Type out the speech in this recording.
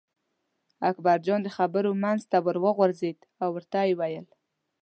اکبرجان د خبرو منځ ته ور وغورځېد او ورته یې وویل.